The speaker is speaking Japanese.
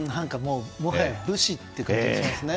もはや武士って感じがしますね。